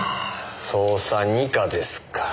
捜査二課ですか。